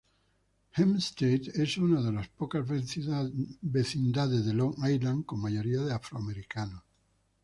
Hempstead es una de las pocas vecindades de Long Island con mayoría de afroamericanos.